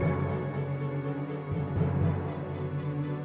bapak tidak mungkin